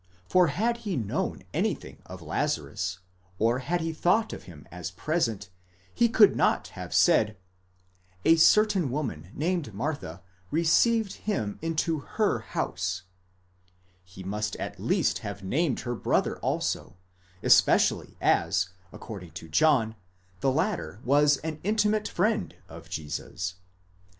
For had he known anything of Lazarus, or had he thought of him as present, he could not have said: A certain woman, named Martha, received him into her house; he must at least have named her brother also, especially as, according to John, the latter was an intimate friend of Jesus.